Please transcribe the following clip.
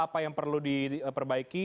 apa yang perlu diperbaiki